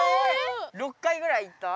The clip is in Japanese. ６回ぐらいいった？